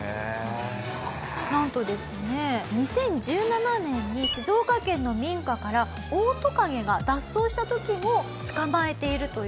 なんとですね２０１７年に静岡県の民家からオオトカゲが脱走した時も捕まえているという事で。